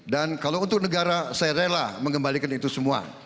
dan kalau untuk negara saya rela mengembalikan itu semua